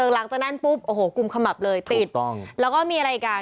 รื่นหลังจากนั้นปุ๊บกลุ่มขมับเลยติดแล้วก็มีอะไรอีกก่อน